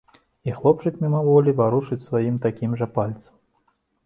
І хлопчык мімаволі варушыць сваім такім жа пальцам.